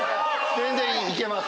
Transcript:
全然いけます